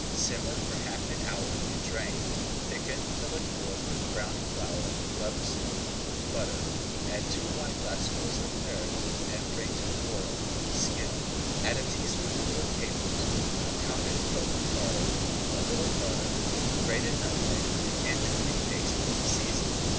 Simmer for half an hour and drain. Thicken the liquor with browned flour rubbed smooth with butter, add two wineglassfuls [Page 127] of Claret, and bring to the boil. Skim, add a teaspoonful of capers, a pounded clove of garlic, a little butter, grated nutmeg, and anchovy paste to season.